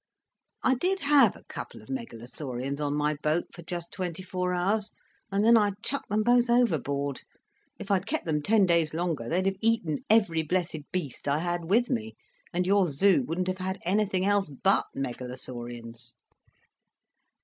I did have a couple of Megalosaurians on my boat for just twenty four hours, and then I chucked them both overboard. If I'd kept them ten days longer they'd have eaten every blessed beast I had with me, and your Zoo wouldn't have had anything else but Megalosaurians."